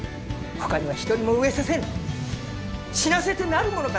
ほかには一人も飢えさせぬ死なせてなるものか！